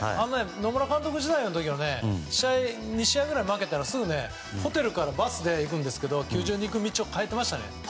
野村監督時代の時は２試合ぐらい負けたらホテルからバスで行くんですけれども球場に行く道を変えてましたね。